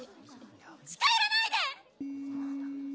近寄らないでっ！